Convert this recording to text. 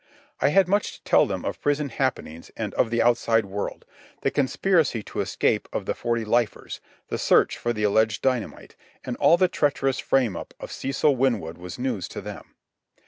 I had much to tell them of prison happenings and of the outside world. The conspiracy to escape of the forty lifers, the search for the alleged dynamite, and all the treacherous frame up of Cecil Winwood was news to them.